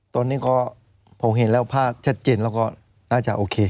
ตอนนี้ก็ผมเห็นแล้วภาพชัดเจนแล้วก็น่าจะโอเค